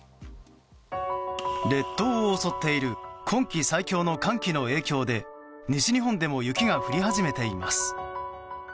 列島を襲っている今季最強の寒気の影響で西日本でも雪が降り始めています。